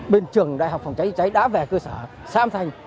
bên trường đại học phòng trái trễ cháy đã về cơ sở xã nam thanh